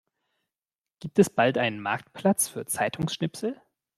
Gibt es bald einen Marktplatz für Zeitungsschnipsel?